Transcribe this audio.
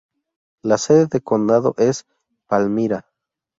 La sede de condado es Palmyra.